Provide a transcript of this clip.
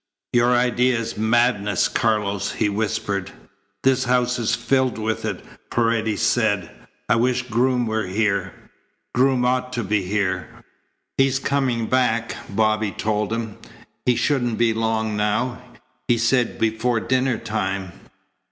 "Your idea is madness, Carlos," he whispered. "This house is filled with it," Paredes said. "I wish Groom were here. Groom ought to be here." "He's coming back," Bobby told him. "He shouldn't be long now. He said before dinner time."